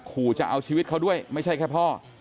ขู่จะเอาชีวิตเขาด้วยไม่ใช่แค่พ่อ